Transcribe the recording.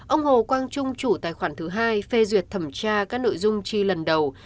ông hồ quang trung chủ tài khoản thứ hai phê duyệt thẩm tra các nội dung chi lần đầu